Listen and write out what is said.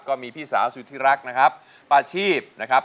ก็มีพี่สาวสุธิรักนะครับป้าชีพนะครับ